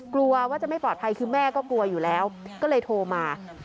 กลัวว่าจะไม่ปลอดภัยคือแม่ก็กลัวอยู่แล้วก็เลยโทรมา